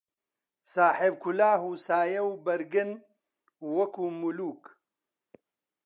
ساحێب کولاهـ و سایە و بەرگن وەکوو مولووک